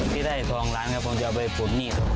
พี่ได้ทองร้านกับผมจะเอาไปผุดหนี้ต่อ